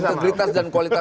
integritas dan kualitas